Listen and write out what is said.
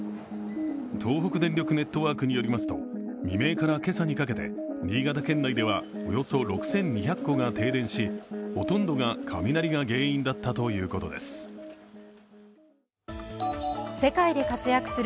東北電力ネットワークによりますと、未明から今朝にかけて新潟県内ではおよそ６２００戸が停電しほとんどが雷が原因だったということです。